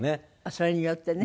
それによってね。